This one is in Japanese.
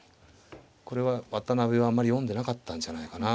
これは渡辺はあんまり読んでなかったんじゃないかな。